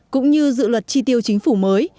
cũng như dự luật tri tiêu chính phủ mới